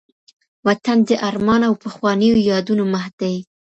وطن د ارمان او پخوانيو یادونو مهد دی.